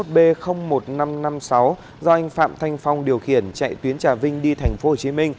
xe khách mang biển số năm mươi một b một nghìn năm trăm năm mươi sáu do anh phạm thanh phong điều khiển chạy tuyến trà vinh đi tp hcm